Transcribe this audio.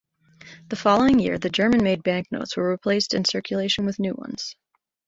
The following year the German-made banknotes were replaced in circulation with new ones.